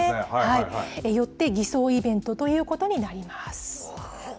よって偽装イベントということになります。